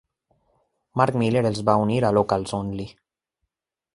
Mark Miller els va unir a "Locals Only.